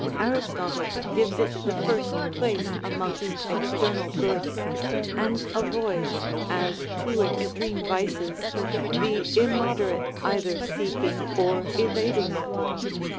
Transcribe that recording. Aristotle gives it the first place amongst external goods; and avoids, as too extreme vices, the immoderate either seeking or evading it.